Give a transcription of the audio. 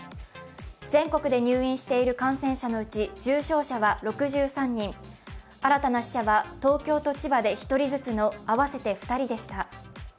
全国で入院している感染者のうち重症者は６３人、新たな死者は東京と千葉で１人ずつの合わせて２人でした。